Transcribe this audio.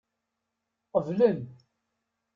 Qeblen.